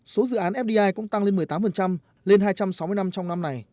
số dự án fdi cũng tăng lên một mươi tám lên hai trăm sáu mươi năm trong năm này